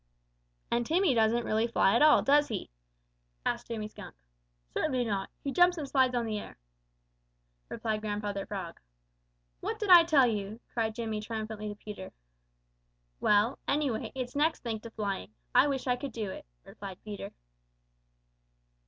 "And Timmy doesn't really fly at all, does he?" asked Jimmy Skunk. "Certainly not. He jumps and slides on the air," replied Grandfather Frog. "What did I tell you?" cried Jimmy triumphantly to Peter. "Well, anyway, it's next thing to flying. I wish I could do it," replied Peter.